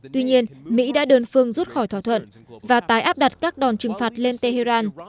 tuy nhiên mỹ đã đơn phương rút khỏi thỏa thuận và tái áp đặt các đòn trừng phạt lên tehran